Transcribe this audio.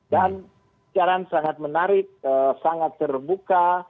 dan secara sangat menarik sangat terbuka